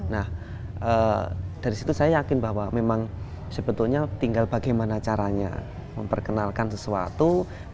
nah dari situ saya yakin bahwa memang sebetulnya tinggal bagaimana caranya memperkenalkan sesuatu